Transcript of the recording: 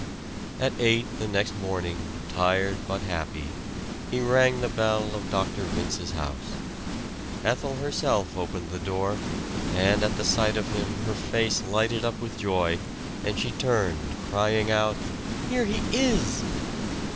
At eight the next morning, tired but happy, he rang the bell of Dr. Vince's house. Ethel herself opened the door; and at the sight of him her face lighted up with joy, and she turned, crying out, "Here he is!"